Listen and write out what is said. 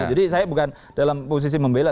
jadi saya bukan dalam posisi membela